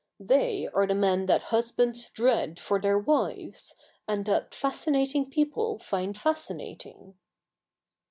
They are the men that husbands dread for their wives, and that fascinating people find fascinating.'